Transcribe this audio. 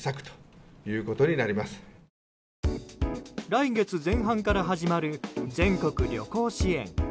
来月前半から始まる全国旅行支援。